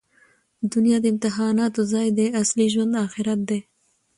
دونیا د امتحاناتو ځای دئ. اصلي ژوند آخرت دئ.